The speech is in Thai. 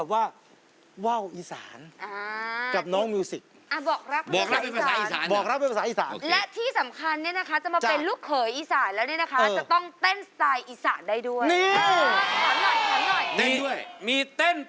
ว่าวอีสานกับน้องมิวสิก